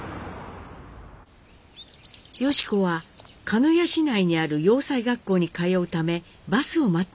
良子は鹿屋市内にある洋裁学校に通うためバスを待っていました。